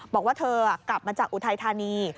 บอกว่าเธอกลับมาจากอุทัยธานี